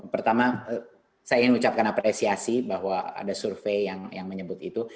pertama saya ingin ucapkan apresiasi bahwa ada survei yang menyebut itu